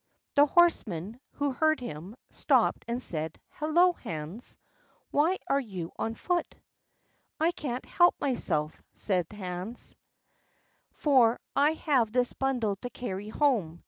The horseman, who heard him, stopped and said: "Hallo, Hans, why are you on foot?" "I can't help myself," said Hans, "for I have this bundle to carry home.